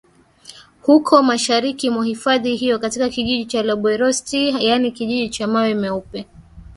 huko mashariki mwa hifadhi hiyo katika kijiji cha Loiborsoit yaani Kijiji cha Mawe Meupe